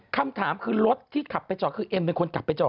คำถามคือรถที่ขับไปจอดคือเอ็มเป็นคนกลับไปจอด